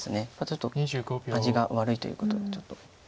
ちょっと味が悪いということでちょっと。